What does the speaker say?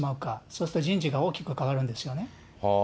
そうすると人事が大きく変わるんですよね。